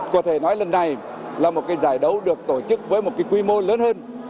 có thể nói lần này là một giải đấu được tổ chức với một quy mô lớn hơn